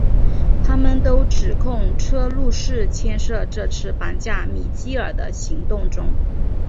他们都指控车路士牵涉这次绑架米基尔的行动中。